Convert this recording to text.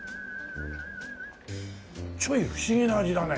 ちょい不思議な味だね。